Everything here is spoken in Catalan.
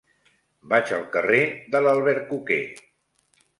Vaig al carrer de l'Albercoquer.